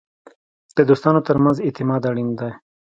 د دوستانو ترمنځ اعتماد اړین دی.